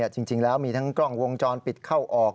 จริงแล้วมีทั้งกล้องวงจรปิดเข้าออก